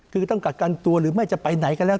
คือต้องกักกันตัวหรือไม่จะไปไหนก็แล้ว